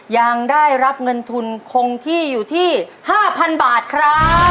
ยังได้รับเงินทุนคงที่อยู่ที่๕๐๐๐บาทครับ